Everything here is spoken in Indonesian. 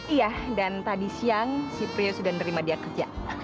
iya dan tadi siang si prio sudah menerima dia kerja